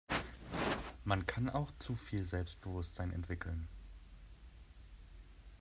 Man kann auch zu viel Selbstbewusstsein entwickeln.